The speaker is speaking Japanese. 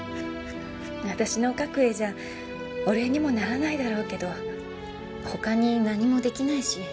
私の描く絵じゃお礼にもならないだろうけどほかに何もできないし。